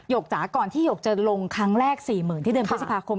จ๋าก่อนที่หยกจะลงครั้งแรก๔๐๐๐ที่เดือนพฤษภาคม